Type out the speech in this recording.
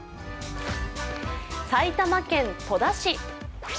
埼玉県戸田市。